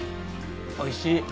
おいしい。